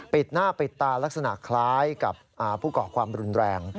ปิดหน้าปิดตาลักษณะคล้ายกับผู้ก่อความรุนแรง